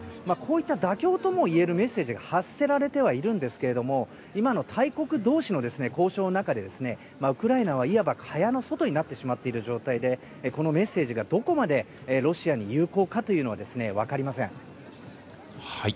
こういった妥協ともいえるメッセージが発せられてはいますが今の大国同士の交渉の中でウクライナはいわば蚊帳の外になってしまっている状況でこのメッセージが、どこまでロシアに有効かというのは分かりません。